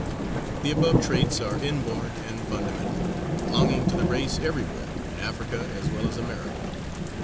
The above traits are inborn and fundamental, belonging to the race everywhere, in Africa as well as America.